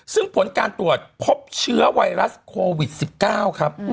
ซึ่งผลการตรวจพบเชื้อไวรัสโควิด๑๙ครับ